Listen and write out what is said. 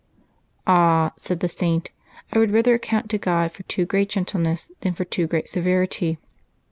" Ah," said the Saint, " I would rather account to God for too great gentleness than for too great severity.